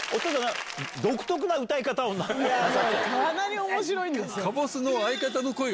かなり面白いんですよ。